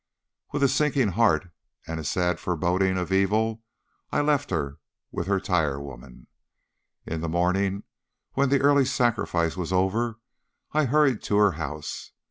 "With a sinking heart and a sad foreboding of evil I left her with her tirewomen. In the morning, when the early sacrifice was over, I hurried to her house.